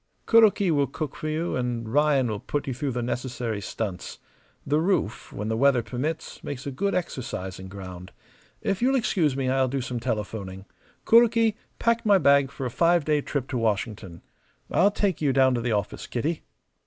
"Kuroki will cook for you and Ryan will put you through the necessary stunts. The roof, when the weather permits, makes a good exercising ground. If you'll excuse me I'll do some telephoning. Kuroki, pack my bag for a five day trip to Washington. I'll take you down to the office, Kitty."